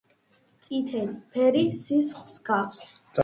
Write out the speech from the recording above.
წითელი ფერი სისხლს გავს